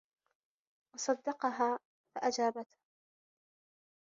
وَصَدَّقَهَا فَأَجَابَتْهُ